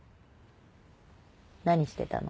何してたの？